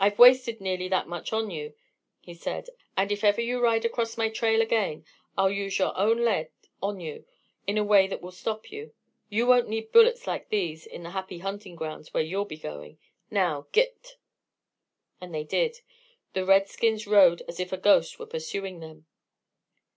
"I've wasted nearly that much on you," he said. "And, if ever you ride across my trail again, I'll use your own lead on you in a way that will stop you. You won't need bullets like these in the Happy Hunting Grounds, where you'll be going. Now, git!" And they did. The redskins rode as if a ghost were pursuing them.